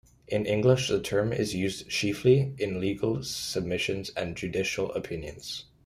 In English the term is used chiefly in legal submissions and judicial opinions.